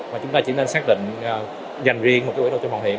mà chúng ta chỉ nên xác định dành riêng một cái đầu tư mạo hiểm